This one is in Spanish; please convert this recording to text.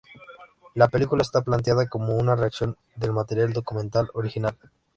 La película está planteada como una recreación del material documental original.